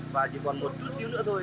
và chỉ còn một chút xíu nữa thôi